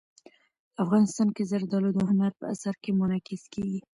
افغانستان کې زردالو د هنر په اثار کې منعکس کېږي.